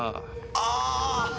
「ああ！」